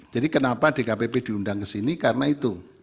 jadi kenapa dkpp diundang ke sini karena itu